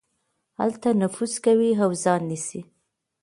هلته نفوذ کوي او ځای نيسي.